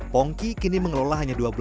pongki kini mengelola hanya